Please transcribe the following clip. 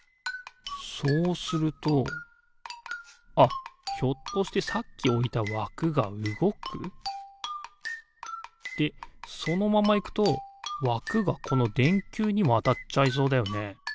そうするとあっひょっとしてさっきおいたわくがうごく？でそのままいくとわくがこのでんきゅうにもあたっちゃいそうだよね。